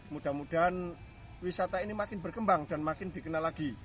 mudah mudahan wisata ini makin berkembang dan makin dikenal lagi